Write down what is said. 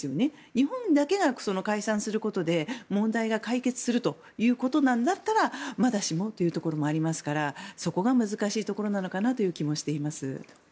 日本だけが解散することで問題が解決するということなんだったらまだしもというところもありますからそこが難しいところなのかなという気もしています。